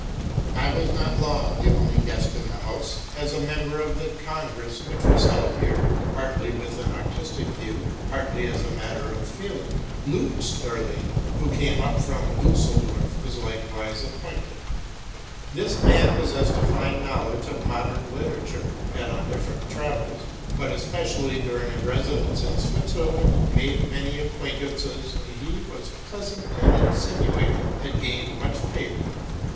I was not long the only guest in the house. As a member of the congress which was held here, — partly with an artistic view, partly as a matter of feeling, — Leuchsenring, who came up from Dusseldorf, was likewise appointed. 'This man, pos sessing a fine knowledge of modern literature, had, on different travels, but especially during a residence in Switzerland, made many acquaintances, and, as he was pleasant and insinuating, had gained much favor.